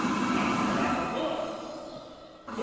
What's the matter here!